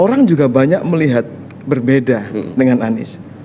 orang juga banyak melihat berbeda dengan anies